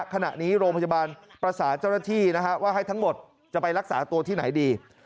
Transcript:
ขณะนี้โรงพยาบาลประสานเจ้าหน้าที่ว่าให้ทั้งหมดจะไปรักษาตัวที่ไหนดี